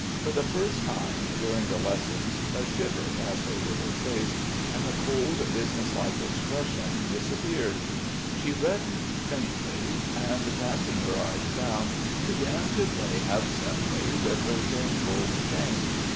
For the first time during the lessons a shiver passed over her face and the cold, business like expression disappeared. She reddened faintly, and casting her eyes down, began to play absently with her thin gold chain.